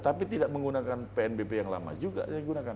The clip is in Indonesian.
tapi tidak menggunakan pnbb yang lama juga saya gunakan